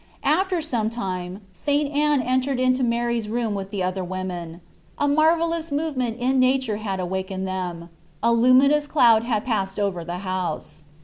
After some time St. Anne entered into Mary s room with the other women : a marvellous movement in nature had awakened them, a luminous cloud had passed over the house.